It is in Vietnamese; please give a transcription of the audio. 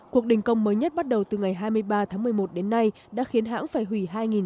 cuộc đình công mới nhất bắt đầu từ ngày hai mươi ba tháng một mươi một đến nay đã khiến hãng phải hủy hai